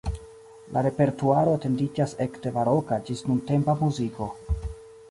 La repertuaro etendiĝas ekde baroka ĝis nuntempa muziko.